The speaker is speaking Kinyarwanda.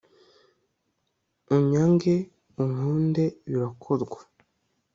unyange unkunde birakorwa